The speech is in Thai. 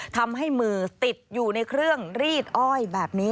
ทำให้มือติดอยู่ในเครื่องรีดอ้อยแบบนี้